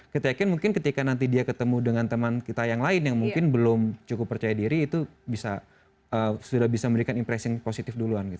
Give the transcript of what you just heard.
kita yakin mungkin ketika nanti dia ketemu dengan teman kita yang lain yang mungkin belum cukup percaya diri itu sudah bisa memberikan impressing positif duluan